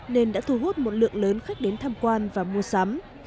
nên đã thu hút một lượng lớn khách đến tham quan và mua sắm